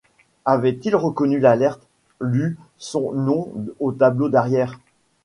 Avait-il reconnu l’Alert, lu son nom au tableau d’arrière?...